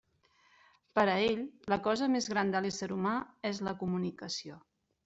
Per a ell, la cosa més gran de l'ésser humà és la COMUNICACIÓ.